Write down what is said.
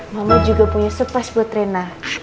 mama juga punya surprise buat rena